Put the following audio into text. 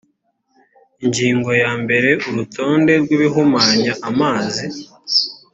ingingo ya mbere urutonde rw’ibihumanya amazi